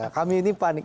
kami ini panik